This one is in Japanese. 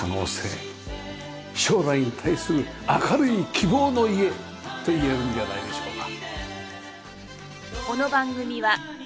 将来に対する明るい希望の家といえるんじゃないでしょうか。